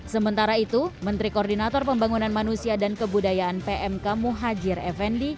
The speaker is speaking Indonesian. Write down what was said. sementara itu menteri koordinator pembangunan manusia dan kebudayaan pmk muhajir effendi